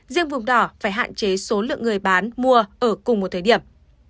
riêng vùng đỏ phải hạn chế số lượng người bán mua ở cùng một thời điểm